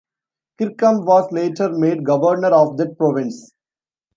Kirkham was later made governor of that province.